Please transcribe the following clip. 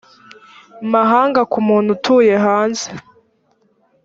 mahanga ku muntu utuye hanze